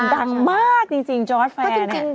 ดังมากจริงจอร์สแฟร์เนี่ย